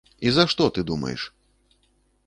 І за што ты думаеш?